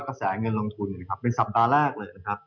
กระแสเงินลองทุนเป็นสัปดาห์แรกเลย